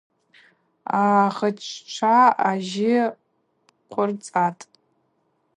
Агъыччва ажьы хъвырцӏатӏ.